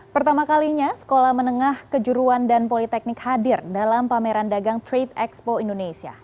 pertama kalinya sekolah menengah kejuruan dan politeknik hadir dalam pameran dagang trade expo indonesia